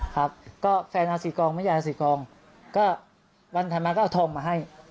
ครับก็แฟนเอาสี่กองแม่ยายเอาสี่กองก็วันถัดมาก็เอาทองมาให้